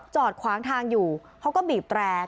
จอดขวางทางอยู่เขาก็บีบแตร